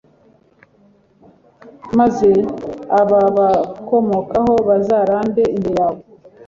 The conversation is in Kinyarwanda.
maze ababakomokaho bazarambe imbere yawe.